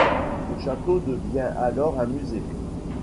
Le château devient alors un musée.